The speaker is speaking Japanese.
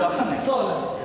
そうなんですよ。